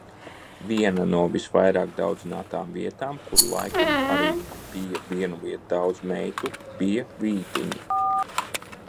Viena no visvairāk daudzinātām vietām, kur laikam arī bija vienuviet daudz meitu, bija Vītiņi.